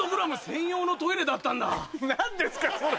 何ですかそれ。